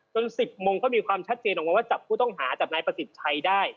จน๑๐โมงก็มีความชัดเจนว่าจับผู้ต้องหาจับนายปฏิสัยได้